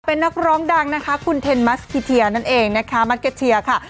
เป็นนักร้องดังนะคะคุณเทนมัสกิเทียนั่นเองนะคะมัสเก็ตเทียค่ะ